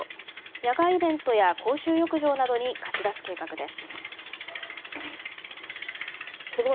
野外イベントや公衆浴場などに貸し出す計画です。